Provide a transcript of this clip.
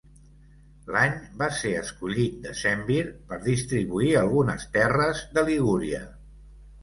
L'any va ser escollit decemvir per distribuir algunes terres de Ligúria.